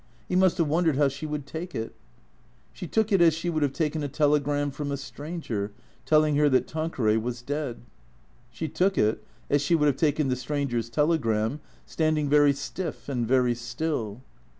He must have won dered how she would take it. She took it as she would have taken a telegram from a stranger, telling her that Tanqueray was dead. She took it, as she would have taken the stranger's telegram, standing very stiff and very still.